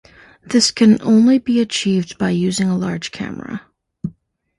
This can only be achieved by using a large camera.